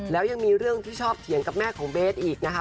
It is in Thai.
แล้วยังมีเรื่องที่ชอบเถียงกับแม่ของเบสอีกนะคะ